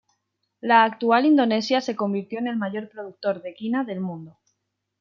La actual Indonesia se convirtió en el mayor productor de quina del mundo.